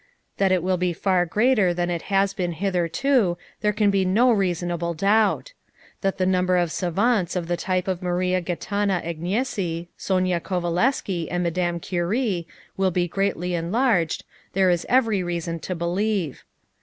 That it will be far greater than it has been hitherto there can be no reasonable doubt. That the number of savantes of the type of Maria Gaetana Agnesi, Sónya Kovalévsky and Mme. Curie will be greatly enlarged there is every reason to believe.